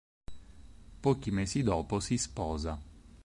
Pochi mesi dopo si sposa.